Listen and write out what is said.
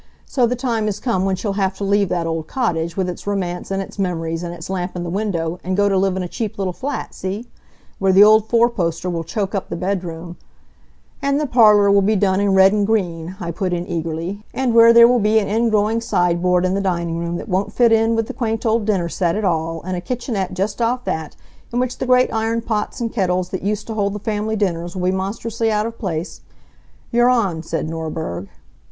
So the time has come when she'll have to leave that old cottage, with its romance, and its memories, and its lamp in the window, and go to live in a cheap little flat, see? Where the old four poster will choke up the bedroom " "And the parlor will be done in red and green," I put in, eagerly, "and where there will be an ingrowing sideboard in the dining room that won't fit in with the quaint old dinner set at all, and a kitchenette just off that, in which the great iron pots and kettles that used to hold the family dinners will be monstrously out of place " "You're on," said Norberg.